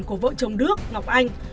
của vợ chồng đước ngọc anh